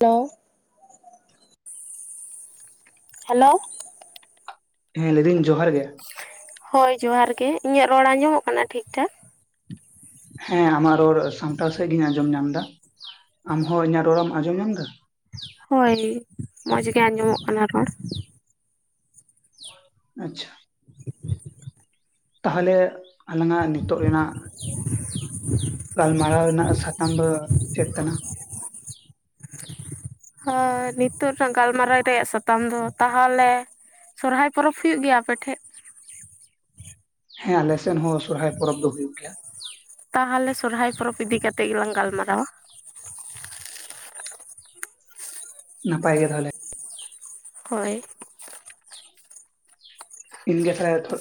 Hello hello ᱦᱮᱸ ᱞᱟᱹᱭᱫᱟᱹᱧ ᱡᱚᱦᱟᱨ ᱜᱮ ᱦᱳᱭ ᱡᱚᱦᱟᱨ ᱜᱮ ᱤᱧᱟᱹᱜ ᱨᱚᱲ ᱟᱸᱡᱚᱢᱚᱜ ᱠᱟᱱᱟ ᱴᱷᱤᱠᱼᱴᱷᱟᱠ ᱦᱮᱸ ᱟᱢᱟᱜ ᱨᱚᱲ ᱥᱟᱱᱛᱟᱲ ᱥᱮᱫ ᱜᱮᱤᱧ ᱟᱸᱡᱚᱢ ᱧᱟᱢ ᱮᱫᱟ ᱟᱢᱦᱚᱸ ᱤᱧᱟᱹᱜ ᱨᱚᱲᱮᱢ ᱟᱸᱡᱚᱢ ᱧᱟᱢ ᱮᱫᱟ ᱦᱳᱭ ᱢᱚᱸᱡᱽ ᱜᱮ ᱟᱸᱡᱚᱢᱚᱜ ᱠᱟᱱᱟ ᱨᱚᱲ ᱟᱪᱪᱷᱟ ᱛᱟᱦᱮᱞᱮ ᱟᱞᱟᱝᱟᱜ ᱱᱤᱛᱚᱜ ᱨᱮᱱᱟᱜ ᱜᱟᱞᱢᱟᱨᱟᱣ ᱨᱮᱱᱟᱜ ᱥᱟᱛᱟᱢ ᱫᱚ ᱪᱮᱫ ᱠᱟᱱᱟ ᱦᱚᱭ ᱱᱤᱛᱚᱜ ᱨᱮᱱᱟᱜ ᱜᱟᱞᱢᱟᱨᱟᱣ ᱨᱮᱭᱟᱜ ᱥᱟᱛᱟᱢ ᱫᱚ ᱛᱟᱦᱚᱞᱮ ᱥᱚᱨᱦᱟᱭ ᱯᱚᱨᱚᱵᱽ ᱦᱩᱭᱩᱜ ᱜᱮᱭᱟ ᱟᱯᱮᱴᱷᱮᱡ ᱦᱮᱸ ᱟᱞᱮᱥᱮᱱ ᱦᱚᱸ ᱥᱚᱨᱦᱟᱭ ᱯᱚᱨᱚᱵᱽ ᱫᱚ ᱦᱩᱭᱩᱜ ᱜᱮᱭᱟ ᱛᱟᱦᱮᱞᱮ ᱥᱚᱨᱦᱟᱭ ᱯᱚᱨᱚᱵᱽ ᱤᱫᱤ ᱠᱟᱛᱮᱜ ᱜᱮᱞᱟᱝ ᱜᱟᱞᱢᱟᱨᱟᱣᱟ ᱱᱟᱯᱟᱭ ᱜᱮ ᱛᱟᱦᱚᱞᱮ ᱦᱳᱭ ᱤᱧ ᱜᱮ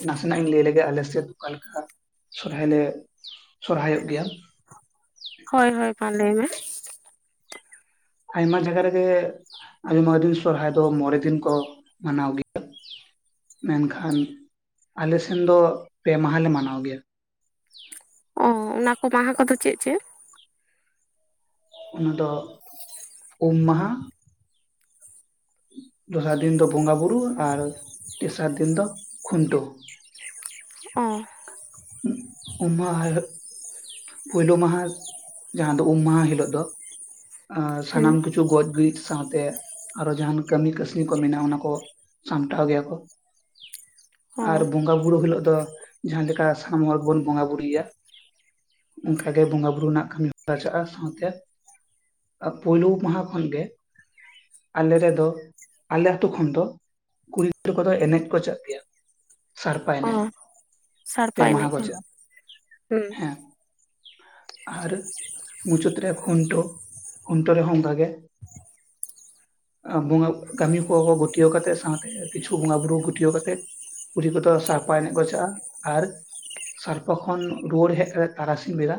ᱱᱟᱥᱮᱱᱟᱜ ᱞᱟᱹᱭ ᱞᱮ ᱜᱮ ᱟᱞᱮᱥᱮᱜ ᱚᱠᱟ ᱞᱮᱠᱟ ᱥᱚᱨᱦᱟᱭ ᱞᱮ ᱥᱚᱨᱦᱟᱭᱚᱜ ᱜᱮᱭᱟ ᱦᱳᱭ ᱦᱳᱭ ᱢᱟ ᱞᱟᱹᱭ ᱢᱮ ᱟᱭᱢᱟ ᱡᱟᱜᱟ ᱨᱮᱜᱮ ᱟᱭᱢᱟ ᱫᱤᱱ ᱥᱚᱨᱦᱟᱭ ᱫᱚ ᱢᱚᱲᱮ ᱫᱤᱱ ᱠᱚ ᱢᱟᱱᱟᱣ ᱜᱮᱭᱟ ᱢᱮᱱᱠᱷᱟᱱ ᱟᱞᱮᱥᱮᱱ ᱫᱚ ᱯᱮ ᱢᱟᱦᱟᱞᱮ ᱢᱟᱱᱟᱣ ᱜᱮᱭᱟ ᱚ ᱚᱱᱟ ᱠᱚ ᱢᱟᱦᱟ ᱠᱚᱫᱚ ᱪᱮᱫ ᱪᱮᱫ ᱚᱱᱟ ᱫᱚ ᱩᱢ ᱢᱟᱦᱟ ᱫᱚᱥᱟᱨ ᱫᱤᱱ ᱫᱚ ᱵᱚᱸᱜᱟ ᱵᱩᱨᱩ ᱟᱨ ᱛᱮᱥᱟᱨ ᱫᱤᱱ ᱫᱚ ᱠᱷᱩᱱᱴᱟᱹᱣ ᱚ ᱩᱢᱟ ᱦᱟᱭ ᱦᱚᱜ ᱯᱩᱭᱞᱩ ᱢᱟᱦᱟ ᱡᱟᱦᱟᱸ ᱫᱚ ᱩᱢ ᱢᱟᱦᱟ ᱦᱤᱞᱳᱜ ᱫᱚ ᱦᱮᱸ ᱥᱟᱱᱟᱢ ᱠᱤᱪᱷᱩ ᱠᱤᱪᱷᱩ ᱜᱚᱡ ᱜᱤᱡ ᱥᱟᱶᱛᱮ ᱟᱨᱚ ᱡᱟᱦᱟᱱ ᱠᱟᱹᱢᱤ ᱠᱟᱹᱥᱱᱤ ᱠᱚ ᱢᱮᱱᱟᱜᱼᱟ ᱚᱱᱟ ᱠᱚ ᱥᱟᱢᱴᱟᱣ ᱜᱮᱭᱟ ᱠᱚ [inaudible] ᱟᱨ ᱵᱚᱸᱜᱟ ᱵᱩᱨᱩ ᱦᱤᱞᱳᱜ ᱫᱚ ᱡᱟᱦᱟᱸ ᱞᱮᱠᱟ ᱥᱟᱱᱟᱢ ᱦᱚᱲ ᱜᱮᱵᱚᱱ ᱵᱚᱸᱜᱟ ᱵᱩᱨᱩᱭᱟ ᱚᱱᱠᱟᱜᱮ ᱵᱚᱸᱜᱟ ᱵᱩᱨᱩ ᱨᱮᱱᱟᱜ ᱠᱟᱹᱢᱤ ᱪᱟᱜᱼᱟ ᱥᱟᱶᱛᱮ ᱯᱩᱭᱞᱩ ᱢᱟᱦᱟ ᱠᱷᱚᱱ ᱜᱮ ᱟᱞᱮ ᱨᱮᱫᱚ ᱟᱞᱮ ᱟᱹᱛᱩ ᱠᱷᱚᱱ ᱫᱚ ᱠᱩᱲᱤ ᱜᱤᱫᱽᱨᱟᱹ ᱠᱚᱫᱚ ᱮᱱᱮᱡ ᱠᱚ ᱪᱟᱜ ᱜᱮᱭᱟ ᱥᱟᱲᱯᱟ ᱚ ᱮᱱᱮᱡ ᱯᱮ ᱥᱟᱲᱯᱟ ᱢᱟᱦᱟ ᱮᱱᱮᱡ ᱠᱚ ᱪᱟᱜᱼᱟ ᱦᱚᱸ ᱦᱮᱸ ᱟᱨ ᱢᱩᱪᱟᱹᱫ ᱨᱮ ᱠᱷᱩᱱᱴᱟᱹᱣ ᱠᱷᱩᱱᱴᱟᱹᱣ ᱨᱮᱦᱚᱸ ᱚᱱᱠᱟ ᱜᱮ ᱵᱚᱸᱜᱟ ᱠᱟᱹᱢᱤ ᱠᱚᱣᱟ ᱠᱚ ᱜᱩᱴᱤᱭᱟᱹᱣ ᱠᱟᱛᱮ ᱥᱟᱶᱛᱮ ᱠᱤᱪᱷᱩ ᱵᱚᱸᱜᱟ ᱵᱩᱨᱩ ᱜᱩᱴᱤᱭᱟᱹᱣ ᱠᱟᱛᱮ ᱠᱩᱲᱤ ᱠᱚᱫᱚ ᱥᱟᱲᱯᱟ ᱮᱱᱮᱡ ᱠᱚ ᱪᱟᱜᱼᱟ ᱟᱨ ᱥᱟᱨᱯᱟ ᱠᱷᱚᱱ ᱨᱩᱣᱟᱹᱲ ᱦᱮᱡ ᱠᱟᱛᱮᱜ ᱛᱟᱨᱟᱥᱤᱧ ᱵᱮᱲᱟ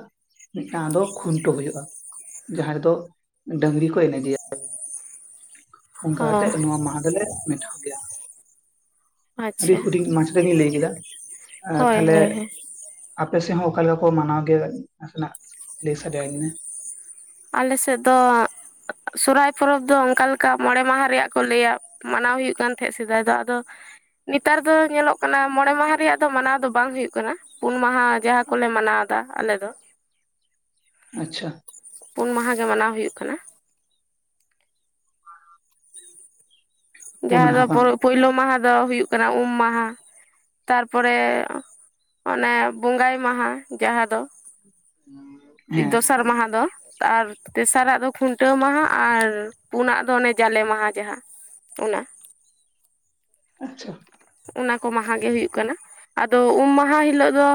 ᱢᱤᱫᱴᱟᱝ ᱫᱚ ᱠᱷᱩᱱᱴᱟᱹᱣ ᱦᱩᱭᱩᱜᱼᱟ ᱡᱟᱦᱟᱸ ᱨᱮᱫᱚ ᱰᱟᱝᱨᱤ ᱠᱚ ᱮᱱᱮᱡᱮᱭᱟ ᱚᱱᱠᱟ ᱦᱚᱸ ᱠᱟᱛᱮᱜ ᱱᱚᱣᱟ ᱢᱟᱦᱟ ᱫᱚᱞᱮ ᱢᱮᱴᱷᱟᱣ ᱜᱮᱭᱟ᱾ ᱟᱹᱰᱤ ᱟᱪᱪᱷᱟ ᱦᱩᱰᱤᱧ ᱢᱟᱪᱷᱟ ᱤᱧ ᱞᱟᱹᱭ ᱠᱮᱫᱟ᱾ ᱦᱳᱭ ᱛᱟᱦᱚᱞᱮ ᱦᱳᱭ ᱦᱳᱭ ᱟᱯᱮ ᱥᱮᱫ ᱦᱚᱸ ᱚᱠᱟᱮ ᱞᱮᱠᱟ ᱠᱚ ᱢᱟᱱᱟᱣ ᱜᱮᱭᱟ ᱱᱟᱥᱮᱱᱟᱜ ᱞᱟᱹᱭ ᱥᱟᱰᱮ ᱤᱧ ᱢᱮ? ᱟᱞᱮ ᱥᱮᱫ ᱫᱚ ᱥᱚᱨᱟᱭ ᱯᱚᱨᱚᱵᱽ ᱫᱚ ᱚᱱᱠᱟ ᱞᱮᱠᱟ ᱢᱚᱬᱮ ᱢᱟᱦᱟ ᱨᱮᱭᱟᱜ ᱠᱚ ᱞᱟᱹᱭᱟ᱾ ᱢᱟᱱᱟᱣ ᱦᱩᱭᱩᱜ ᱠᱟᱱ ᱛᱟᱦᱮᱸᱫ ᱥᱮᱫᱟᱭ ᱫᱚ ᱟᱫᱚ ᱱᱮᱛᱟᱨ ᱫᱚ ᱧᱮᱞᱚᱜ ᱠᱟᱱᱟ ᱢᱚᱬᱮ ᱢᱟᱦᱟ ᱨᱮᱭᱟᱜ ᱫᱚ ᱢᱟᱱᱟᱣ ᱫᱚ ᱵᱟᱝ ᱦᱩᱭᱩᱜ‌ ᱠᱟᱱᱟ᱾ ᱯᱩᱱ ᱢᱟᱦᱟ ᱡᱟᱦᱟᱸ ᱠᱚᱞᱮ ᱢᱟᱱᱟᱣ ᱫᱟ ᱟᱞᱮ ᱫᱚ ᱟᱪᱪᱷᱟ ᱯᱩᱱ ᱢᱟᱦᱟ ᱜᱮ ᱢᱟᱱᱟᱣ ᱦᱩᱭᱩᱜ ᱠᱟᱱᱟ᱾ ᱯᱩᱱ ᱡᱟᱦᱟᱸ ᱫᱚ ᱢᱟᱦᱟ ᱵᱟᱝ ᱯᱚᱭᱞᱳ ᱢᱟᱦᱟ ᱫᱚ ᱦᱩᱭᱩᱜ ᱠᱟᱱᱟ ᱩᱢ ᱢᱟᱦᱟ᱾ ᱛᱟᱨ ᱯᱚᱨᱮ ᱚᱱᱮ ᱵᱚᱸᱜᱟᱭ ᱢᱟᱦᱟ ᱡᱟᱦᱟᱸ ᱫᱚ᱾ ᱦᱩᱻ ᱫᱚᱥᱟᱨ ᱢᱟᱦᱟ ᱫᱚ ᱛᱟᱨ ᱛᱮᱥᱟᱨᱟᱜ ᱫᱚ ᱠᱷᱩᱱᱴᱟᱹᱣ ᱢᱟᱦᱟ ᱟᱨ ᱯᱩᱱᱟᱜ ᱫᱚ ᱚᱱᱮ ᱡᱟᱞᱮ ᱢᱟᱦᱟ ᱡᱟᱦᱟᱸ ᱚᱱᱟ‍᱾ ᱟᱪᱪᱷᱟ᱾ ᱚᱱᱟ ᱠᱚ ᱢᱟᱦᱟ ᱜᱮ ᱦᱩᱭᱩᱜ ᱠᱟᱱᱟ ᱟᱫᱚ ᱩᱢ ᱢᱟᱦᱟ ᱦᱤᱞᱳᱜ ᱫᱚ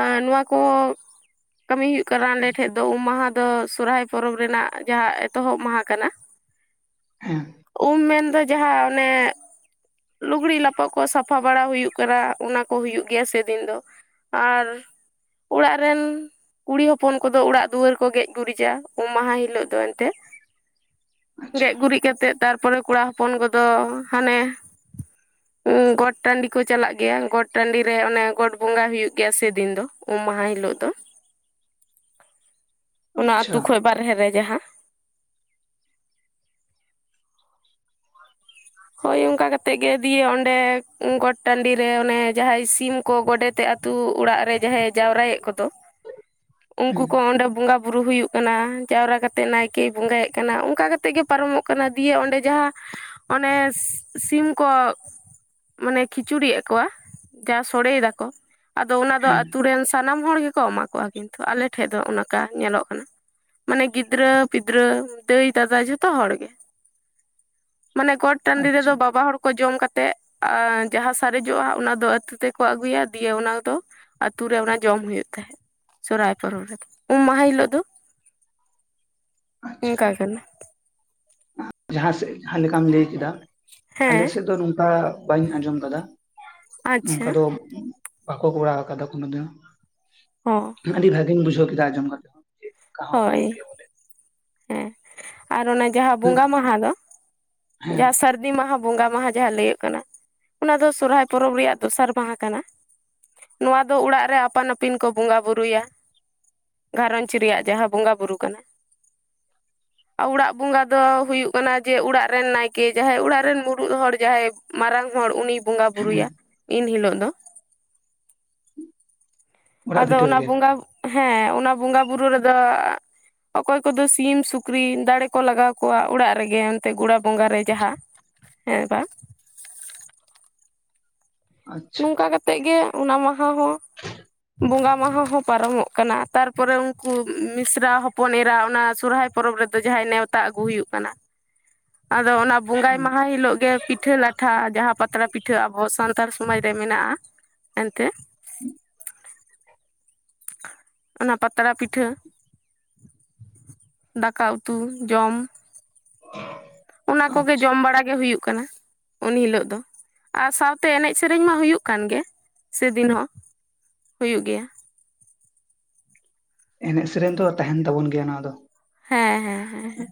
ᱟᱨ ᱱᱚᱣᱟ ᱠᱚ ᱠᱟᱹᱢᱤ ᱦᱩᱭᱩᱜ ᱠᱟᱱᱟ ᱟᱞᱮ ᱴᱷᱮᱡ ᱫᱚ ᱩᱢ ᱢᱟᱦᱟ ᱫᱚ ᱥᱚᱨᱦᱟᱭ ᱯᱚᱨᱚᱵᱽ ᱨᱮᱱᱟᱜ ᱡᱟᱦᱟᱸ ᱮᱛᱚᱦᱚᱵ ᱢᱟᱦᱟ ᱠᱟᱱᱟ᱾ [inaudible] ᱦᱮᱸ ᱩᱢ ᱢᱮᱱᱫᱚ ᱡᱟᱦᱟᱸ ᱚᱱᱮ ᱞᱩᱜᱽᱲᱤ ᱞᱟᱯ ᱛᱚᱠ ᱠᱚ ᱥᱟᱯᱷᱟ ᱵᱟᱲᱟ ᱦᱩᱭᱩᱜ ᱠᱟᱱᱟ ᱚᱱᱟ ᱠᱚ ᱦᱩᱭᱩᱜ ᱜᱮᱭᱟ ᱥᱮᱫᱤᱱ ᱫᱚ ᱟᱨ ᱚᱲᱟᱜ ᱨᱮᱱ ᱠᱩᱲᱤ ᱦᱚᱯᱚᱱ ᱠᱚᱫᱚ ᱚᱲᱟᱜ ᱫᱩᱣᱟᱹᱨ ᱠᱚ ᱜᱮᱡ ᱜᱩᱨᱤᱡᱟ ᱩᱢ ᱢᱟᱦᱟ ᱦᱤᱞᱳᱜ ᱫᱚ ᱮᱱᱛᱮ ᱟᱪᱪᱷᱟ ᱜᱮᱡ ᱜᱩᱨᱤᱡ ᱠᱟᱛᱮ ᱛᱟᱨᱯᱚᱨᱮ ᱠᱚᱲᱟ ᱦᱚᱯᱚᱱ ᱠᱚᱫᱚ ᱦᱟᱱᱮ ᱜᱚᱴ ᱴᱟᱹᱰᱤ ᱠᱚ ᱪᱟᱞᱟᱜ ᱜᱮᱭᱟ ᱜᱚᱴ ᱴᱟᱹᱰᱤ ᱨᱮ ᱚᱱᱮ ᱜᱚᱴ ᱵᱚᱸᱜᱟ ᱦᱩᱭᱩᱜ ᱜᱮᱭᱟ ᱥᱮᱫᱤᱱ ᱫᱚ ᱩᱢ ᱢᱟᱦᱟ ᱦᱤᱞᱚᱜ ᱫᱚ᱾ ᱚᱱᱟ ᱟᱪᱪᱷᱟ ᱟᱹᱛᱩ ᱠᱷᱚᱡ ᱵᱟᱨᱦᱮ ᱨᱮ ᱡᱟᱦᱟᱸ᱾ ᱦᱳᱭ ᱚᱱᱠᱟ ᱠᱟᱛᱮᱫ ᱜᱮ ᱫᱤᱭᱮ ᱚᱸᱰᱮ ᱜᱚᱴ ᱴᱟᱹᱰᱤ ᱨᱮ ᱚᱱᱮ ᱡᱟᱦᱟᱸᱭ ᱥᱤᱢ ᱠᱚ ᱜᱚᱰᱮᱛᱮ ᱟᱛᱩ ᱚᱲᱟᱜ ᱨᱮ ᱡᱟᱦᱟᱸᱭ ᱡᱟᱣᱨᱟᱭᱮᱫ ᱠᱚᱫᱚ ᱩᱱᱠᱩ ᱦᱮᱸ ᱠᱚ ᱚᱸᱰᱮ ᱵᱚᱸᱜᱟ ᱵᱩᱨᱩ ᱦᱩᱭᱩᱜ ᱠᱟᱱᱟ ᱡᱟᱣᱨᱟ ᱠᱟᱛᱮᱫ ᱱᱟᱭᱠᱮᱭ ᱵᱚᱸᱜᱟᱭᱮᱫ ᱠᱟᱱᱟ ᱚᱱᱠᱟ ᱠᱟᱛᱮᱜ ᱜᱮ ᱯᱟᱨᱚᱢᱚᱜ ᱠᱟᱱᱟ ᱫᱤᱭᱮ ᱚᱸᱰᱮ ᱡᱟᱦᱟᱸ ᱚᱱᱮ ᱥᱤᱢ ᱠᱚ ᱢᱟᱱᱮ ᱠᱷᱤᱪᱩᱲᱤ ᱮ ᱠᱚᱣᱟ᱾ ᱡᱟ ᱥᱚᱲᱮᱭ ᱫᱟᱠᱚ ᱟᱫᱚ ᱚᱱᱟ ᱫᱚ ᱦᱮᱸ ᱟᱛᱩ ᱨᱮᱱ᱾ ᱥᱟᱱᱟᱢ ᱦᱚᱲ ᱜᱮᱠᱚ ᱮᱢᱟ ᱠᱚᱣᱟ ᱠᱤᱱᱛᱩ ᱟᱞᱮ ᱴᱷᱮᱡ ᱫᱚ ᱚᱱᱠᱟ ᱧᱮᱞᱚᱜ ᱠᱟᱱᱟ ᱢᱟᱱᱮ ᱜᱤᱫᱽᱨᱟᱹ ᱯᱤᱫᱽᱨᱟᱹ ᱫᱟᱹᱭᱼ ᱫᱟᱫᱟ ᱡᱷᱚᱛᱚ ᱦᱚᱲ ᱜᱮ᱾ ᱢᱟᱱᱮ ᱜᱚᱴ ᱴᱟᱹᱰᱤ ᱟᱪᱪᱷᱟ ᱨᱮᱫᱚ ᱵᱟᱵᱟ ᱦᱚᱲ ᱠᱚ ᱡᱚᱢ ᱠᱟᱛᱮᱫ ᱡᱟᱦᱟᱸ ᱥᱟᱨᱮᱡᱚᱜᱼᱟ ᱚᱱᱟ ᱫᱚ ᱟᱹᱛᱩ ᱛᱮᱠᱚ ᱟᱹᱜᱩᱭᱟ ᱫᱤᱭᱮ ᱚᱱᱟ ᱫᱚ᱾ ᱟᱹᱛᱩ ᱨᱮ ᱚᱱᱟ ᱡᱚᱢ ᱦᱩᱭᱩᱜ ᱛᱟᱦᱮᱸᱜ ᱥᱚᱨᱦᱟᱭ ᱯᱚᱨᱚᱵᱽ ᱨᱮᱫᱚ ᱩᱢ ᱢᱟᱦᱟ ᱦᱤᱞᱳᱜ ᱫᱚ᱾ ᱚᱱᱠᱟ ᱠᱟᱱᱟ ᱡᱟᱦᱟᱸᱥᱮᱫ ᱡᱟᱦᱟᱸ ᱞᱮᱠᱟᱢ ᱞᱟᱹᱭ ᱠᱮᱫᱟ᱾ ᱟᱞᱮ ᱦᱮᱸ ᱥᱮᱫ ᱫᱚ ᱱᱚᱝᱠᱟ ᱵᱟᱹᱧ ᱟᱸᱡᱚᱢ ᱫᱟᱫᱟ ᱟᱪᱪᱷᱟ ᱱᱚᱝᱠᱟ ᱫᱚ᱾ ᱵᱟᱠᱚ ᱠᱚᱨᱟᱣ ᱠᱟᱫᱟ ᱠᱚᱱᱳ ᱫᱤᱱ ᱦᱚ ᱦᱚᱸ ᱟᱹᱰᱤ ᱵᱷᱟᱹᱜᱤᱧ ᱵᱩᱡᱷᱟᱹᱣ ᱠᱮᱫᱟ ᱟᱸᱡᱚᱢ ᱠᱟᱛᱮ ᱦᱚ ᱦᱳᱭ ᱦᱮᱸ ᱟᱨ ᱚᱱᱟ ᱡᱟᱦᱟᱸ ᱵᱚᱸᱜᱟ ᱢᱮᱱᱠᱷᱟᱱ ᱢᱟᱦᱟ ᱫᱚ ᱦᱮᱸ ᱡᱟᱦᱟᱸ ᱥᱟᱨ ᱫᱤ ᱢᱟᱦᱟ ᱵᱚᱸᱜᱟ ᱢᱟᱦᱟ ᱡᱟᱦᱟᱸ ᱞᱟᱹᱭᱟᱹᱚᱜ ᱠᱟᱱᱟ ᱚᱱᱟ ᱫᱚ ᱥᱚᱨᱦᱟᱭ ᱯᱚᱨᱚᱵᱽ ᱨᱮᱭᱟᱜ ᱫᱚᱥᱟᱨ ᱢᱟᱦᱟ ᱠᱟᱱᱟ᱾ ᱱᱚᱣᱟ ᱫᱚ ᱚᱲᱟᱜ ᱨᱮ ᱟᱹᱯᱟᱱ ᱟᱹᱯᱤᱱ ᱠᱚ ᱵᱚᱸᱜᱟ ᱵᱩᱨᱩᱭᱟ ᱜᱷᱟᱨᱚᱸᱡᱽ ᱨᱮᱭᱟᱜ ᱡᱟᱦᱟᱸ ᱵᱚᱸᱜᱟ ᱵᱩᱨᱩ ᱠᱟᱱᱟ᱾ ᱟᱨ ᱚᱲᱟᱜ ᱵᱚᱸᱜᱟ ᱫᱚ ᱦᱩᱭᱩᱜ ᱠᱟᱱᱟ ᱡᱮ ᱚᱲᱟᱜ ᱨᱮᱱ ᱱᱟᱭᱠᱮ ᱡᱟᱦᱟᱸᱭ ᱚᱲᱟᱜ ᱨᱮᱱ ᱢᱩᱬᱩᱫ ᱦᱚᱲ ᱡᱟᱦᱟᱸᱭ ᱢᱟᱨᱟᱝ ᱦᱚᱲ ᱩᱱᱤᱭ ᱵᱚᱸᱜᱟ ᱦᱮᱸ ᱵᱩᱨᱩᱭᱟ ᱤᱱ ᱦᱤᱞᱳᱜ ᱫᱚ ᱚᱲᱟᱜ ᱟᱫᱚ ᱵᱷᱤᱴᱟᱹ ᱚᱱᱟ ᱨᱮᱜᱮ ᱵᱚᱸᱜᱟ ᱦᱮᱸ ᱚᱱᱟ ᱵᱚᱸᱜᱟ ᱵᱩᱨᱩ ᱨᱮᱫᱚ ᱚᱠᱚᱭ ᱠᱚᱫᱚ ᱥᱤᱢ ᱥᱩᱠᱨᱤ ᱫᱟᱲᱮ ᱠᱚ ᱞᱟᱜᱟᱣ ᱠᱚᱣᱟ ᱚᱲᱟᱜ ᱨᱮᱜᱮ ᱮᱚᱱᱛᱮ ᱜᱚᱲᱟ ᱵᱚᱸᱜᱟ ᱨᱮ ᱡᱟᱦᱟᱸ ᱦᱮᱸ ᱵᱟᱝ ᱟᱪᱪᱷᱟ ᱱᱚᱝᱠᱟ ᱠᱟᱛᱮᱜ ᱜᱮ ᱚᱱᱟ ᱢᱟᱦᱟ ᱦᱚᱸ ᱵᱚᱸᱜᱟ ᱢᱟᱦᱟ ᱦᱚᱸ ᱯᱟᱨᱚᱢᱚᱜ ᱠᱟᱱᱟ ᱛᱟᱨᱯᱚᱨᱮ ᱩᱱᱠᱩ ᱢᱤᱥᱨᱟ ᱦᱚᱯᱚᱱ ᱮᱨᱟ ᱚᱱᱟ ᱥᱚᱨᱦᱟᱭ ᱯᱚᱨᱚᱵᱽ ᱨᱮᱫᱚ ᱡᱟᱦᱟᱸᱭ ᱱᱮᱣᱛᱟ ᱟᱹᱜᱩ ᱦᱩᱭᱩᱜ ᱠᱟᱱᱟ ᱟᱫᱚ ᱚᱱᱟ ᱵᱚᱸᱜᱟᱭ ᱢᱟᱦᱟ ᱦᱤᱞᱳᱜ ᱜᱮ ᱯᱤᱴᱷᱟᱹ ᱞᱟᱴᱷᱟ ᱡᱟᱦᱟᱸ ᱯᱟᱛᱲᱟ ᱯᱤᱴᱷᱟᱹ ᱟᱵᱚ ᱥᱟᱱᱛᱟᱲ ᱥᱚᱢᱟᱡᱽ ᱨᱮ ᱢᱮᱱᱟᱜᱼᱟ ᱮᱱᱛᱮ ᱦᱮ [inaudible] [unintelligible] ᱚᱱᱟ ᱯᱟᱛᱲᱟ ᱯᱤᱴᱷᱟᱹ [inaudible] ᱫᱟᱠᱟ ᱩᱛᱩ ᱡᱚᱢ ᱦᱮ [inaudible] ᱚᱱᱟ ᱠᱚᱜᱮ ᱡᱚᱢ ᱵᱟᱲᱟ ᱜᱮ ᱦᱩᱭᱩᱜ ᱠᱟᱱᱟ ᱩᱱ ᱦᱤᱞᱚᱜ ᱫᱚ ᱟᱨ ᱥᱟᱶᱛᱮ ᱮᱱᱮᱡ ᱥᱮᱨᱮᱧ ᱢᱟ ᱦᱩᱭᱩᱜ ᱠᱟᱱᱜᱮ ᱥᱮᱫᱤᱱ ᱦᱚᱸ ᱦᱩᱭᱩᱜ ᱜᱮᱭᱟ ᱮᱱᱮᱡ ᱥᱮᱨᱮᱧ ᱫᱚ ᱛᱟᱦᱮᱱ ᱛᱟᱵᱚᱱ ᱜᱮᱭᱟ ᱱᱚᱣᱟ ᱫᱚ ᱦᱮᱸ ᱦᱮᱸ ᱦᱮᱸ ᱦᱮᱸ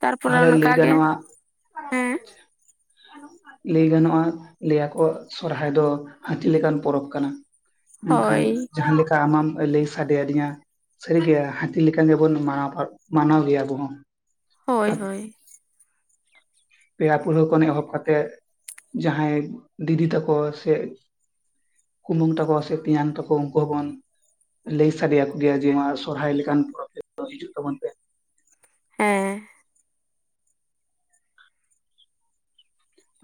ᱛᱟᱨᱯᱚᱨᱮ ᱛᱟᱦᱚᱞᱮ ᱞᱟᱹᱭ ᱚᱱᱠᱟ ᱜᱮ ᱜᱟᱱᱚᱜᱼᱟ ᱦᱮᱸ ᱞᱟᱹᱭ ᱜᱟᱱᱚᱜᱼᱟ ᱞᱟᱹᱭᱟᱠᱚ ᱥᱚᱨᱦᱟᱭ ᱫᱚ ᱦᱟᱹᱛᱤ ᱞᱮᱠᱟᱱ ᱯᱚᱨᱚᱵᱽ ᱠᱟᱱᱟ ᱢᱮᱱᱠᱷᱟᱱ ᱦᱳᱭ ᱡᱟᱦᱟᱸ ᱞᱮᱠᱟ ᱟᱢ ᱢᱟᱢ ᱞᱟᱹᱭ ᱥᱟᱰᱮᱭᱟᱫᱤᱧᱟ ᱥᱟᱹᱨᱤᱜᱮ ᱦᱟᱹᱛᱤ ᱞᱮ ᱞᱮᱠᱟ ᱜᱮᱵᱚᱱ ᱢᱟᱱᱟᱣ ᱢᱟᱱᱟᱣ ᱜᱮᱭᱟ ᱟᱵᱚ ᱦᱚᱸ ᱦᱳᱭ ᱦᱳᱭ ᱯᱮᱲᱟ ᱯᱟᱹᱲᱦᱟᱹ ᱠᱷᱚᱱ ᱮᱦᱚᱵ ᱠᱟᱛᱮᱫ ᱡᱟᱦᱟᱸᱭ ᱫᱤᱫᱤ ᱛᱟᱠᱚ ᱥᱮ ᱠᱩᱢᱟᱹᱝ ᱛᱟᱠᱚ ᱥᱮ ᱛᱮᱭᱟᱝ ᱛᱟᱠᱚ ᱩᱱᱠᱩ ᱦᱚᱸᱵᱚᱱ ᱞᱟᱹᱭ ᱥᱟᱰᱮᱭᱟᱠᱚᱜᱮᱭᱟ ᱡᱮ ᱱᱚᱣᱟ ᱥᱚᱨᱦᱟᱭ ᱞᱮᱠᱟᱱ ᱯᱚᱨᱚᱵᱽ [inaudible] ᱦᱤᱡᱩᱜ ᱛᱟᱵᱚᱱ ᱯᱮ ᱦᱮᱸ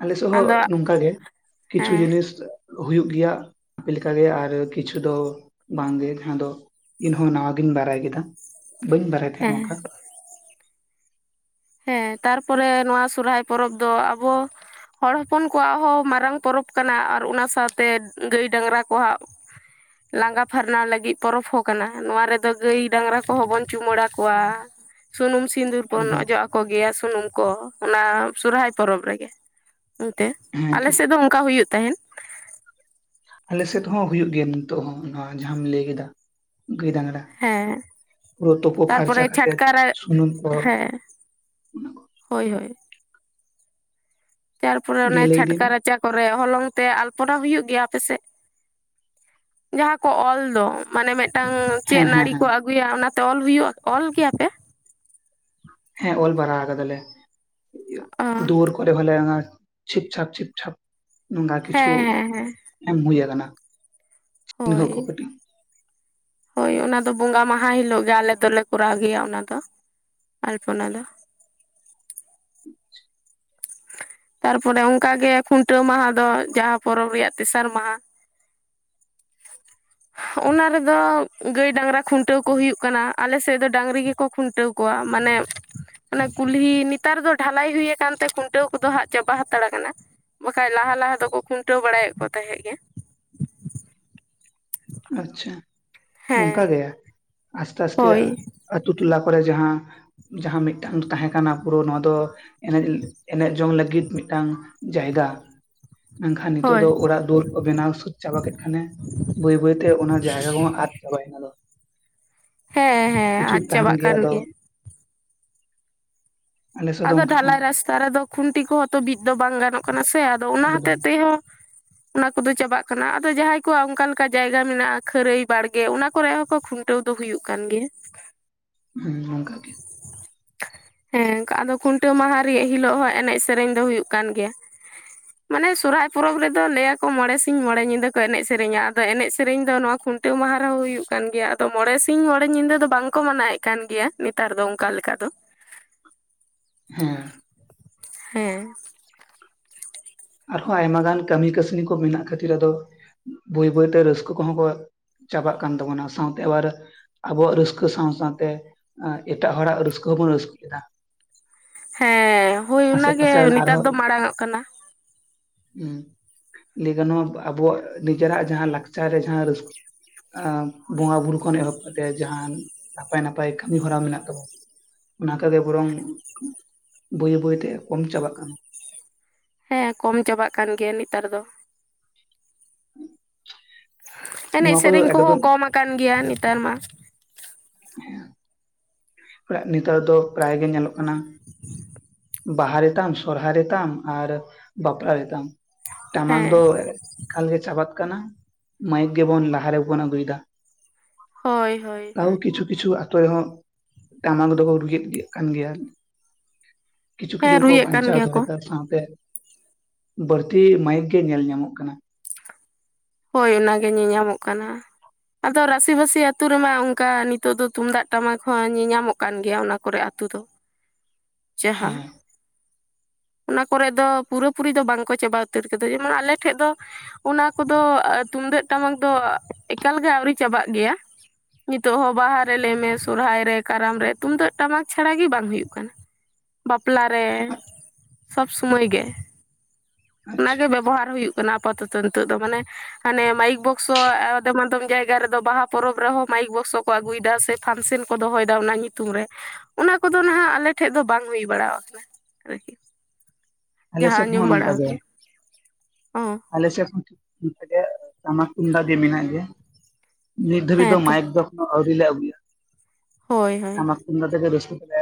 ᱟᱞᱮᱥᱮᱜ ᱦᱚᱸ ᱟᱫᱚ ᱱᱚᱝᱠ ᱜᱮ ᱠᱤᱪᱷᱩ ᱦᱮᱸ ᱡᱤᱱᱤᱥ ᱦᱩᱭᱩᱜ ᱜᱮᱭᱟ ᱟᱯᱮ ᱞᱮᱠᱟᱜᱮ ᱟᱨ ᱠᱤᱪᱷᱩ ᱫᱚ ᱵᱟᱝᱜᱮ ᱡᱟᱦᱟᱸ ᱫᱚ ᱤᱧᱦᱚᱸ ᱱᱟᱣᱟ ᱜᱤᱧ ᱵᱟᱨᱟᱭ ᱠᱮᱫᱟ ᱵᱟᱹᱧ ᱵᱟᱨᱟᱭ ᱦᱮᱸ ᱮᱸ ᱦᱮᱸ ᱛᱟᱨᱯᱚᱨᱮ ᱱᱚᱣᱟ ᱥᱚᱨᱦᱟᱭ ᱯᱚᱨᱚᱵᱽ ᱫᱚ ᱟᱵᱚ ᱦᱚᱲ ᱦᱚᱯᱚᱱ ᱠᱚᱣᱟᱜ ᱦᱚᱸ ᱢᱟᱨᱟᱝ ᱯᱚᱨᱚᱵᱽ ᱠᱟᱱᱟ ᱟᱨ ᱚᱱᱟ ᱥᱟᱶᱛᱮ ᱜᱟᱹᱭ ᱰᱟᱝᱨᱟ ᱠᱚᱣᱟᱜ ᱞᱟᱸᱜᱟ ᱯᱷᱟᱨᱱᱟ ᱞᱟᱹᱜᱤᱫ ᱯᱚᱨᱚᱵᱽ ᱦᱚᱸ ᱠᱟᱱᱟ ᱱᱚᱣᱟ ᱨᱮᱫᱚ ᱜᱟᱹᱭ ᱰᱟᱝᱨᱟ ᱠᱚᱦᱚᱸ ᱵᱚᱱ ᱪᱩᱢᱟᱹᱲᱟ ᱠᱚᱣᱟ ᱥᱩᱱᱩᱢ ᱥᱤᱫᱩᱨ ᱵᱚᱱ ᱮᱠᱫᱚᱢ ᱚᱡᱚᱜ ᱟᱠ ᱠᱚᱜᱮᱭᱟ ᱥᱩᱱᱩᱢ ᱠᱚ ᱚᱱᱟ ᱥᱚᱨᱦᱟᱭ ᱯᱚᱨᱚᱵᱽ ᱨᱮᱜᱮ ᱚᱱᱛᱮ [unintelligible] ᱦᱮᱸ ᱟᱞ ᱴᱷᱤᱠ ᱥᱮᱫ ᱫᱚ ᱚᱱᱠᱟ ᱦᱩᱭᱩᱜ ᱛᱟᱦᱮᱱ ᱟᱞᱮ ᱥᱮᱫ ᱦᱚᱸ ᱦᱩᱭᱩᱜ ᱜᱮᱭᱟ ᱱᱤᱛᱚᱜ ᱦᱚᱸ ᱱᱚᱣᱟ ᱡᱟᱦᱟᱸᱟᱢ ᱞᱟᱹᱭ ᱠᱮᱫᱟ ᱜᱟᱹᱭ ᱰᱟᱝᱨᱟ ᱦᱮᱸ ᱯᱩᱨᱟᱹ ᱛᱩᱯᱳ ᱯᱷᱟᱨᱪᱟ ᱛᱟᱨᱯᱚᱨᱮ ᱠᱟᱛᱮ ᱪᱷᱟᱴᱠᱟ ᱨᱟ ᱥᱩᱱᱩᱢ ᱠᱚ ᱦᱮᱸ ᱦᱳᱭ ᱦᱳᱭ ᱛᱟᱨᱯᱚᱨᱮ ᱚᱱᱮ ᱫᱤᱭᱮ ᱞᱟᱹᱭ ᱤᱫᱤ ᱪᱷᱟᱴᱠᱟ ᱢᱮ ᱨᱟᱪᱟ ᱠᱚᱨᱮᱜ ᱦᱚᱞᱚᱝ ᱛᱮ ᱟᱞᱯᱚᱱᱟ ᱦᱩᱭᱩᱜ ᱜᱮᱭᱟ ᱟᱯᱮ ᱥᱮᱫ ᱡᱟᱦᱟᱸ ᱠᱚ ᱚᱞ ᱫᱚ ᱢᱟᱱᱮ ᱢᱤᱫᱴᱟᱝ ᱪᱮᱫ ᱦᱮᱸ ᱦᱮᱸ ᱱᱟᱹᱲᱤ ᱦᱮᱸ ᱠᱚ ᱟᱹᱜᱩᱭᱟ ᱚᱱᱟᱛᱮ ᱚᱞ ᱦᱩᱭᱩᱜ ᱚᱞ ᱠᱮᱭᱟ ᱯᱮ ᱦᱮᱸ ᱚᱞ ᱵᱟᱲᱟ ᱛᱟᱦᱮ ᱚ ᱫᱩᱨ ᱠᱚᱨᱮ ᱵᱚᱞᱮ ᱪᱷᱤᱯᱪᱷᱟᱠ ᱪᱷᱤᱯᱪᱷᱟᱯ ᱱᱚᱝᱠᱟ ᱠᱤᱪᱷᱩ ᱦᱮᱸ ᱦᱮᱸ ᱦᱮᱸ ᱮᱢ ᱦᱩᱭ ᱟᱠᱟᱱᱟ ᱪᱤᱱᱦᱟᱹᱣ ᱦᱳᱭ ᱠᱚᱯᱮ ᱦᱳᱭ ᱚᱱᱟ ᱫᱚ ᱵᱚᱸᱜᱟ ᱢᱟᱦᱟ ᱦᱤᱞᱳᱜ ᱜᱮ ᱟᱞᱮ ᱫᱚᱞᱮ ᱠᱚᱨᱟᱣ ᱜᱮᱭᱟ ᱚᱱᱟ ᱫᱚ ᱟᱞᱯᱚᱱᱟ ᱫᱚ ᱛᱟᱨᱯᱚᱨᱮ ᱚᱱᱠᱟ ᱜᱮ ᱠᱷᱩᱱᱴᱟᱹᱣ ᱢᱟᱦᱟ ᱫᱚ ᱡᱟᱦᱟᱸ ᱯᱚᱨᱚᱵᱽ ᱨᱮᱭᱟᱜ ᱛᱮᱥᱟᱨ ᱢᱟᱦᱟ ᱚᱱᱟ ᱨᱮᱫᱚ ᱜᱟᱹᱭ ᱰᱟᱝᱨᱟ ᱠᱷᱩᱱᱴᱟᱹᱣ ᱠᱚ ᱦᱩᱭᱩᱜ ᱠᱟᱱᱟ ᱟᱞᱮᱥᱮᱫ ᱫᱚ ᱰᱟᱹᱝᱨᱤ ᱜᱮᱠᱚ ᱠᱷᱩᱱᱴᱟᱹᱣ ᱠᱚᱣᱟᱜ ᱢᱟᱱᱮ ᱚᱱᱟ ᱠᱩᱞᱦᱤ ᱱᱮᱛᱟᱨ ᱫᱚ ᱰᱷᱟᱞᱟᱭ ᱦᱩᱭ ᱟᱠᱟᱱ ᱛᱮ ᱠᱷᱩᱱᱴᱟᱹᱣ ᱠᱚᱫᱚ ᱦᱟᱸᱜ ᱪᱟᱵᱟ ᱦᱟᱛᱟᱲ ᱟᱠᱟᱱᱟ ᱵᱟᱠᱷᱟᱡ ᱞᱟᱦᱟ ᱞᱟᱦᱟ ᱫᱚᱠᱚ ᱠᱷᱩᱱᱴᱟᱹᱣ ᱵᱟᱲᱟᱭᱮᱫ ᱠᱚ ᱛᱟᱦᱮᱸᱫ ᱜᱮ ᱟᱪᱪᱷᱟ ᱦᱮᱸ ᱱᱚᱝᱠᱟ ᱜᱮ ᱟᱥᱛᱮ ᱟᱥᱛᱮ ᱦᱳᱭ ᱟᱛᱩ ᱴᱚᱞᱟ ᱠᱚᱨᱮ ᱡᱟᱦᱟᱸ ᱡᱟᱦᱟᱸ ᱢᱤᱫᱴᱟᱝ ᱛᱟᱦᱮᱸ ᱠᱟᱱᱟ ᱯᱩᱨᱟᱹ ᱱᱚᱣᱟ ᱫᱚ ᱮᱱᱮᱡ ᱮᱱᱮᱡ ᱡᱚᱝ ᱞᱟᱹᱜᱤᱫ ᱢᱤᱫᱴᱟᱝ ᱡᱟᱭᱜᱟ ᱢᱮᱱᱠᱷᱟᱱ ᱱᱤᱛᱚᱜ ᱫᱚ ᱦᱳᱭ ᱚᱲᱟᱜ ᱫᱩᱣᱟᱹᱨ ᱠᱚ ᱵᱮᱱᱟᱣ ᱥᱟᱹᱛ ᱪᱟᱵᱟ ᱠᱮᱫ ᱠᱷᱟᱱᱮ ᱵᱟᱹᱭ ᱵᱟᱹᱭᱛᱮ ᱛᱮ ᱚᱱᱟ ᱡᱟᱭᱜᱟ ᱠᱚᱦᱚᱸ ᱟᱫ ᱪᱟᱵᱟᱭᱮᱱᱟ ᱦᱮᱸ ᱦᱮᱸ ᱠᱤᱪᱷᱩᱠ ᱟᱫ ᱛᱟᱦᱮᱱ ᱪᱟᱵᱟᱜ ᱜᱮᱭᱟ ᱠᱟᱱ ᱟᱫᱚ ᱟᱞᱮ ᱥᱮᱫ ᱫᱚ ᱟᱫᱚ ᱚᱱᱠᱟ ᱦᱚᱸ ᱰᱷᱟᱞᱟᱭ ᱨᱟᱥᱛᱟ ᱨᱮᱫᱚ ᱠᱷᱩᱱᱴᱤ ᱠᱚᱦᱚᱸ ᱛᱚ ᱵᱤᱫ ᱫᱚ ᱵᱟᱝ ᱜᱟᱱᱚᱜ ᱠᱟᱱᱟ ᱥᱮ ᱟᱫᱚ ᱚᱱᱟ ᱮᱠᱫᱚᱢ ᱦᱚᱛᱮᱡ ᱛᱮᱦᱚᱸ ᱚᱱᱟ ᱠᱚᱫᱚ ᱪᱟᱵᱟᱜ ᱠᱟᱱᱟ ᱟᱫᱚ ᱡᱟᱦᱟᱸᱭ ᱠᱚᱣᱟᱜ ᱚᱱᱠᱟ ᱞᱮᱠᱟ ᱡᱟᱭᱜᱟ ᱢᱮᱱᱟᱜᱼᱟ ᱠᱷᱟᱹᱨᱟᱹᱭ ᱵᱟᱲᱜᱮ ᱚᱱᱟ ᱠᱚᱨᱮ ᱦᱚᱸᱠᱚ ᱠᱷᱩᱱᱼᱼ ᱴᱟᱹᱣ ᱫᱚ ᱦᱩᱭᱩᱜ ᱠᱟᱱ ᱜᱮᱭᱟ ᱦᱮᱸ ᱚᱱᱠᱟ ᱜᱮ᱾ ᱦᱮᱸ ᱟᱫᱚ ᱠᱷᱩᱱᱴᱟᱹᱣ ᱢᱟᱦᱟ ᱨᱮᱭᱟᱜ ᱦᱤᱞᱳᱜ ᱦᱚᱸ ᱮᱱᱮᱡ ᱥᱮᱨᱮᱧ ᱫᱚ ᱦᱩᱭᱩᱜ ᱠᱟᱱ ᱜᱮᱭᱟ ᱢᱟᱱᱮ ᱥᱚᱨᱦᱟᱭ ᱯᱚᱨᱚᱵᱽ ᱨᱮᱫᱚ ᱞᱟᱹᱭᱟᱠᱚ ᱢᱚᱬᱮ ᱥᱤᱧ ᱢᱚᱬᱮ ᱧᱤᱫᱟᱹ ᱠᱚ ᱮᱱᱮᱡ ᱥᱮᱨᱮᱧ ᱟᱫᱚ ᱮᱱᱮᱡ ᱥᱮᱨᱮᱧ ᱫᱚ ᱱᱚᱶᱟ ᱠᱷᱩᱱᱼᱼ ᱴᱟᱹᱣ ᱢᱟᱦᱟ ᱨᱮᱦᱚᱸ ᱦᱩᱭᱩᱜ ᱠᱟᱱ ᱜᱮᱭᱟ ᱟᱫᱚ ᱢᱚᱬᱮ ᱥᱤᱧ ᱢᱚᱬᱮ ᱧᱤᱫᱟᱹ ᱫᱚ ᱵᱟᱝᱠᱚ ᱢᱟᱱᱟᱣᱭᱮᱫ ᱠᱟᱱ ᱜᱮᱭᱟ ᱱᱮᱛᱟᱨ ᱫᱚ ᱚᱱᱠᱟ ᱞᱮᱠᱟ ᱫᱚ ᱦᱮᱸ ᱦᱮᱸ ᱟᱨᱦᱚᱸ ᱟᱭᱢᱟ ᱜᱟᱱ ᱠᱟᱹᱢᱤ ᱠᱟᱹᱥᱱᱤ ᱠᱚ ᱢᱮᱱᱟᱜ ᱠᱷᱟᱹᱛᱤᱨ ᱟᱫᱚ ᱵᱟᱹᱭ ᱵᱟᱹᱭᱛᱮ ᱨᱟᱹᱥᱠᱟᱹ ᱠᱚᱦᱚᱸ ᱠᱚ ᱪᱟᱵᱟᱜ ᱠᱟᱱ ᱛᱟᱵᱚᱱᱟ ᱥᱟᱶᱛᱮ ᱟᱵᱟᱨ ᱟᱵᱚᱣᱟᱜ ᱨᱟᱹᱥᱠᱟᱹ ᱥᱟᱶ ᱥᱟᱶᱛᱮ ᱮᱴᱟᱜ ᱦᱚᱲᱟᱜ ᱨᱟᱹᱥᱠᱟᱹ ᱦᱚᱸᱵᱚᱱ ᱨᱟᱹᱥᱠᱟᱹ ᱮᱫᱟ ᱦᱮᱸ ᱦᱳᱭ ᱚᱱᱟ ᱟᱥᱮ ᱜᱮ ᱯᱟᱥᱮ ᱨᱮᱱ ᱱᱮᱛᱟᱨ ᱫᱚ ᱢᱟᱲᱟᱝ ᱚᱜ ᱠᱟᱱᱟ ᱦᱮᱸ ᱞᱟᱹᱭ ᱜᱟᱱᱚᱼᱟ ᱟᱵᱚᱣᱟᱜ ᱱᱤᱡᱮᱨᱟᱜ ᱡᱟᱦᱟᱸ ᱞᱟᱠᱪᱟᱨ ᱨᱮ ᱡᱟᱦᱟᱸ ᱨᱟᱹᱥᱠᱟᱹ ᱵᱚᱸᱜᱟ ᱵᱩᱨᱩ ᱠᱷᱚᱱ ᱮᱦᱚᱵ ᱠᱟᱛᱮᱫ ᱡᱟᱦᱟᱱ ᱱᱟᱯᱟᱭ ᱱᱟᱯᱟᱭ ᱠᱟᱹᱢᱤ ᱦᱚᱨᱟ ᱢᱮᱱᱟᱜ ᱛᱟᱵᱚᱱᱟ ᱚᱱᱟᱠᱟᱜᱮ ᱵᱚᱨᱚᱝ ᱵᱟᱹᱭ ᱵᱟᱹᱭᱛᱮ ᱠᱚᱢ ᱪᱟᱵᱟᱜ ᱠᱟᱱᱟ ᱦᱮᱸ ᱠᱚᱢ ᱪᱟᱵᱟᱜ ᱠᱟᱱ ᱜᱮᱭᱟ ᱱᱮᱛᱟᱨ ᱫᱚ ᱮᱱᱮᱡ ᱱᱚᱣᱟ ᱠᱚᱫᱚ ᱥᱮᱨᱮᱧ ᱠᱚᱦᱚᱸ ᱮᱠᱫᱚᱢ ᱠᱚᱢ ᱟᱠᱟᱱ ᱜᱮᱭᱟ ᱱᱮᱛᱟᱨ ᱢᱟ ᱦᱮᱸ ᱱᱮᱛᱟᱨ ᱫᱚ ᱯᱨᱟᱭ ᱜᱮ ᱧᱮᱞᱚᱜ ᱠᱟᱱᱟ ᱵᱟᱦᱟ ᱨᱮ ᱛᱟᱢ ᱥᱚᱨᱦᱟᱭ ᱨᱮ ᱛᱟᱢ ᱟᱨ ᱵᱟᱯᱞᱟ ᱨᱮ ᱛᱟᱢ ᱴᱟᱢᱟᱠ ᱫᱚ ᱦᱮᱸ ᱮᱠᱟᱞ ᱜᱮ ᱪᱟᱵᱟᱜ ᱠᱟᱱᱟ ᱢᱟᱹᱭᱤᱠ ᱜᱮᱵᱚᱱ ᱞᱟᱦᱟᱨᱮᱵᱚᱱ ᱟᱹᱜᱩᱭᱮᱫᱟ ᱦᱳᱭ ᱦᱳᱭ ᱠᱟᱨᱚᱱ ᱦᱳᱭ ᱠᱤᱪᱷᱩ ᱠᱤᱪᱷᱩ ᱟᱛᱩ ᱨᱮ ᱦᱚᱸ ᱴᱟᱢᱟᱠ ᱫᱚᱠᱚ ᱨᱩᱭᱮᱫ ᱠᱟᱱ ᱜᱮᱭᱟ ᱠᱤᱪᱷᱩ ᱦᱮᱸ ᱠᱤᱪᱷᱩ ᱠᱚ ᱨᱩᱭᱮᱫ ᱠᱟᱱ ᱵᱟᱧᱪᱟᱣ ᱜᱮᱭᱟ ᱠᱚ ᱫᱚᱦᱚᱭᱫᱟ ᱥᱟᱶᱛᱮ ᱵᱟᱹᱲᱛᱤ ᱢᱟᱭᱤᱠ ᱜᱮ ᱧᱮᱞ ᱧᱟᱢᱚᱜ ᱠᱟᱱᱟ ᱦᱳᱭ ᱚᱱᱟᱜᱮ ᱧᱮᱞ ᱧᱟᱢᱚᱜ ᱠᱟᱱᱟ ᱟᱫᱚ ᱨᱟᱥᱤᱵᱟᱹᱥᱤ ᱟᱛᱩ ᱨᱮᱢᱟ ᱚᱱᱠᱟ ᱱᱤᱛᱚᱜ ᱫᱚ ᱛᱩᱢᱫᱟᱜ ᱴᱟᱢᱟᱠ ᱦᱚᱸ ᱧᱮᱞ ᱧᱟᱢᱚᱜ ᱠᱟᱱ ᱜᱮᱭᱟ ᱚᱱᱟ ᱠᱚᱨᱮ ᱟᱛᱩ ᱫᱚ ᱡᱟᱦᱟᱸ ᱦᱮᱸ ᱚᱱᱟ ᱠᱚᱨᱮ ᱫᱚ ᱯᱩᱨᱟᱹᱯᱩᱨᱤ ᱫᱚ ᱵᱟᱝ ᱠᱚ ᱪᱟᱵᱟ ᱩᱛᱟᱹᱨ ᱠᱟᱫᱟ ᱡᱮᱢᱚᱱ ᱟᱞᱮᱴᱷᱮᱡ ᱫᱚ ᱚᱱᱟ ᱠᱚ ᱫᱚ ᱛᱩᱢᱫᱟᱹᱜ ᱴᱟᱢᱟᱠ ᱫᱚ ᱮᱠᱟᱞᱜᱮ ᱟᱹᱣᱨᱤ ᱪᱟᱵᱟᱜ ᱜᱮᱭᱟ ᱱᱤᱛᱚᱜ ᱦᱚᱸ ᱵᱟᱦᱟ ᱨᱮ ᱞᱟᱹᱭᱢᱮ ᱥᱚᱨᱦᱟᱭ ᱨᱮ ᱠᱟᱨᱟᱢ ᱨᱮ ᱛᱩᱢᱫᱟᱹᱜ ᱴᱟᱢᱟᱠ ᱪᱷᱟᱲᱟ ᱜᱮ ᱵᱟᱝ ᱦᱩᱭᱩᱜ ᱠᱟᱱᱟ ᱵᱟᱯᱞᱟ ᱨᱮ ᱥᱚᱵᱽ ᱥᱚᱢᱚᱭ ᱜᱮ ᱟᱪᱪᱷᱟ ᱚᱱᱟᱜᱮ ᱵᱮᱵᱚᱦᱟᱨ ᱦᱩᱭᱩᱜ ᱠᱟᱱᱟ ᱟᱯᱟᱛᱚᱛᱚ ᱱᱤᱛᱚᱜ ᱫᱚ ᱢᱟᱱᱮ ᱦᱟᱱᱮ ᱢᱟᱭᱤᱠ ᱵᱚᱠᱥᱚ ᱟᱫᱚᱢ ᱟᱫᱚᱢ ᱡᱟᱭᱜᱟ ᱨᱮᱫᱚ ᱵᱟᱦᱟ ᱯᱚᱨᱚᱵᱽ ᱨᱮᱦᱚᱸ ᱢᱟᱭᱤᱠ ᱵᱚᱠᱥᱚ ᱠᱚ ᱟᱹᱜᱩᱭᱮᱫᱟ ᱥᱮ ᱯᱷᱟᱱᱥᱮᱱ ᱠᱚ ᱫᱚᱦᱚᱭᱮᱫᱟ ᱚᱱᱟ ᱧᱩᱛᱩᱢ ᱨᱮ ᱚᱱᱟ ᱠᱚᱫᱚ ᱱᱟᱦᱟᱜ ᱟᱞᱮ ᱴᱷᱮᱡ ᱫᱚ ᱵᱟᱝ ᱦᱩᱭ ᱵᱟᱲᱟ ᱠᱟᱱᱟ ᱟᱨᱠᱤ ᱟᱞᱮ ᱡᱟᱦᱟᱸ ᱥᱮᱫ ᱦᱚᱸ ᱟᱸᱡᱚᱢ ᱵᱟᱲᱟ ᱱᱚᱝᱠᱟ ᱜᱮ ᱟᱠᱟᱱᱟ ᱚᱸ ᱟᱞᱮ ᱥᱮᱫ ᱠᱷᱚᱱ ᱚᱱᱠᱮ [unintelligible] ᱴᱟᱢᱟᱠ ᱛᱩᱢᱫ ᱫᱤᱭᱮ ᱢᱮᱱᱟᱜ ᱜᱮᱭᱟ ᱱᱤᱛ ᱫᱷᱟᱹᱵᱤᱡ ᱫᱚ ᱦᱮᱸᱛᱚ ᱢᱟᱭᱤᱠ ᱫᱚ ᱮᱠᱷᱚᱱᱳ ᱟᱹᱣᱨᱤ ᱞᱮ ᱟᱹᱜᱩᱭᱟ ᱦᱳᱭ ᱦᱳᱭ ᱚᱱᱟ ᱛᱮᱜᱮ ᱨᱟᱹᱥᱠᱟᱹ ᱛᱮᱞᱮ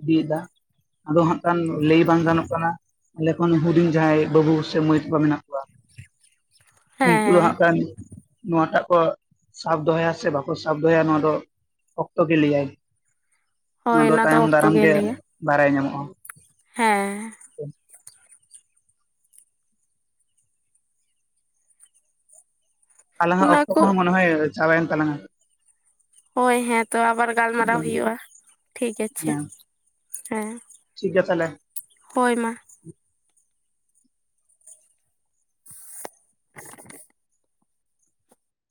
ᱤᱫᱤᱭᱮᱫᱟ ᱟᱫᱚ ᱦᱟᱸᱜ ᱠᱷᱟᱱ ᱞᱟᱹᱭ ᱵᱟᱝ ᱜᱟᱱᱚᱜ ᱠᱟᱱᱟ ᱟᱞᱮ ᱠᱷᱚᱱ ᱦᱩᱰᱤᱧ ᱡᱟᱦᱟᱸᱭ ᱵᱟᱹᱵᱩ ᱥᱮ ᱢᱟᱹᱭ ᱛᱟᱠᱚ ᱢᱮᱱᱟᱜ ᱠᱚᱣᱟ ᱦᱮᱸ ᱩᱱᱠᱩ ᱫᱚ ᱦᱮᱸ ᱦᱟᱸᱜ ᱠᱷᱟᱱ ᱱᱚᱣᱟᱴᱟᱜ ᱠᱚ ᱥᱟᱯ ᱫᱚᱦᱚᱭᱟ ᱥᱮ ᱵᱟᱠᱚ ᱥᱟᱯ ᱫᱚᱦᱚᱭᱟ ᱱᱚᱣᱟ ᱫᱚ ᱵᱷᱠᱛᱚ ᱜᱮ ᱞᱟᱹᱭᱟᱭ ᱚᱱᱟ ᱫᱚ ᱛᱟᱭᱚᱢ ᱫᱟᱨᱟᱢ ᱜᱮ ᱵᱟᱲᱟᱭ ᱧᱟᱢᱚᱜᱼᱟ ᱾ ᱦᱮᱸ ᱟᱞᱟᱝᱟᱜ ᱚᱱᱟ ᱚᱠᱛᱚ ᱠᱚ ᱠᱚᱦᱚᱸ ᱢᱟ ᱱᱚᱜᱚᱭ ᱪᱟᱵᱟ ᱭᱮᱱ ᱛᱟᱞᱟᱝᱟ ᱾ ᱦᱳᱭ ᱦᱮᱸ ᱛᱚ ᱟᱵᱟᱨ ᱜᱟᱞᱢᱟᱨᱟᱣ ᱦᱩᱭᱩᱜᱼᱟ ᱴᱷᱤᱠ ᱟᱪᱷᱮ ᱦᱮᱸ ᱦᱮᱸ ᱾ ᱴᱷᱤᱠ ᱜᱮᱭᱟ ᱛᱟᱦᱚᱞᱮ ᱾ ᱦᱚᱭ ᱢᱟ